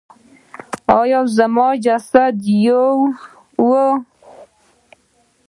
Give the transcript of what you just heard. آیا موږ یو جسد یو؟